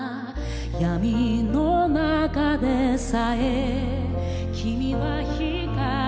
「闇の中でさえキミは光だ」